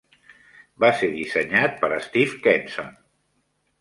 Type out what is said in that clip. Va ser dissenyat per Steve Kenson.